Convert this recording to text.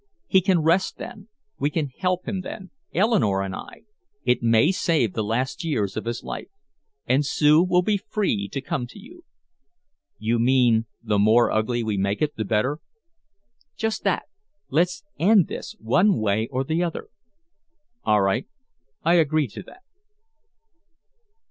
He can rest then, we can help him then Eleanore and I can it may save the last years of his life. And Sue will be free to come to you." "You mean the more ugly we make it the better." "Just that. Let's end this one way or the other." "All right. I agree to that."